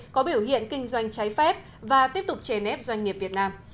có biểu hiện kinh doanh trái phép và tiếp tục chê nếp doanh nghiệp việt nam